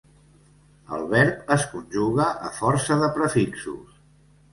El verb es conjuga a força de prefixos.